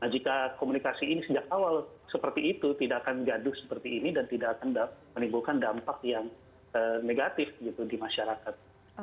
jika komunikasi ini sejak awal seperti itu tidak akan gaduh seperti ini dan tidak akan menimbulkan dampak yang negatif gitu di masyarakat